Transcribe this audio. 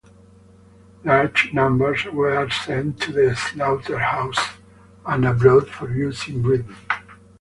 Large numbers were sent to the slaughterhouse and abroad for use in breeding.